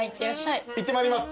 いってまいります。